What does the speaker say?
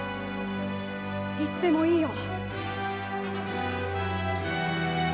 いつでもいいよ。